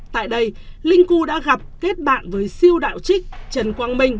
tại đây linh cu đã gặp kết bạn với siêu đạo trích trần quang minh